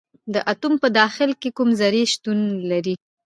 د اتوم په داخل کې کومې ذرې شتون لري.